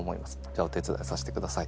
じゃあお手伝いさせてください。